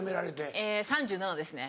え３７ですね。